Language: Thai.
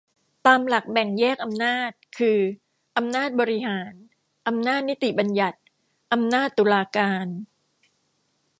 ตามหลักแบ่งแยกอำนาจคือ อำนาจบริหาร อำนาจนิติบัญญัติ อำนาจตุลาการ